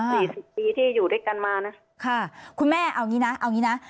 สี่สิบปีที่อยู่ด้วยกันมานะค่ะคุณแม่เอางี้นะเอางี้นะ